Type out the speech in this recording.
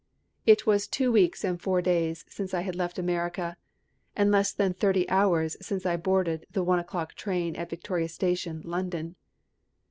It was two weeks and four days since I had left America, and less than thirty hours since I boarded the one o'clock train at Victoria Station, London.